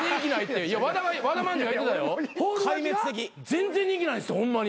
全然人気ないですってホンマに。